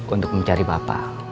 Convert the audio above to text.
untuk mencari bapak